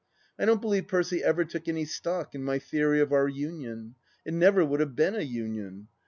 I don't believe Percy ever took any stock in my theory of our union. It never would have been a union.